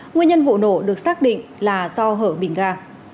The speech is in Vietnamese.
nguyên nhân vụ nổ được xác định là do hở bình ga